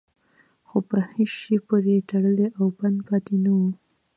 خو په هېڅ شي پورې تړلی او بند پاتې نه وي.